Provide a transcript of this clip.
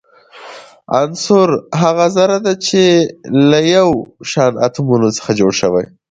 عنصر هغه ذره ده چي له يو شان اتومونو څخه جوړ سوی وي.